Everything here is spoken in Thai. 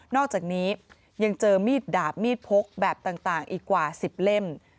อกจากนี้ยังเจอมีดดาบมีดพกแบบต่างอีกกว่า๑๐เล่ม